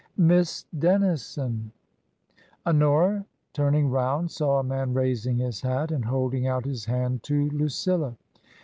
" Miss Dennison !" Honora turning round saw a man raising his hat and holding out his hand to Lucilla.